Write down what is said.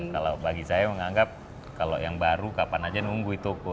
kalau bagi saya menganggap kalau yang baru kapan aja nungguin toko